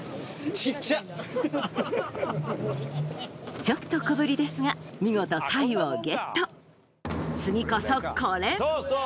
ちょっと小ぶりですが見事タイをゲット次こそこれ！